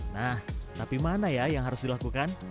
nah tapi mana ya yang harus dilakukan